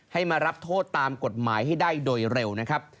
ให้มารับโทษตามกฎหมายให้ได้โดยเร็วนะครับ